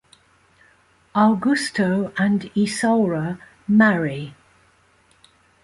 Augusto and Isaura marry.